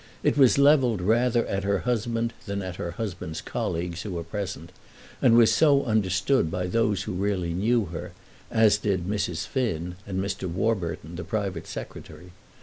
It was levelled rather at her husband than at her husband's colleagues who were present, and was so understood by those who really knew her, as did Mrs. Finn, and Mr. Warburton, the private secretary.